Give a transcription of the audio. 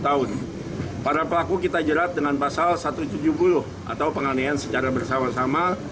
dan para pelaku kita jerat dengan pasal satu ratus tujuh puluh atau penganiayaan secara bersama sama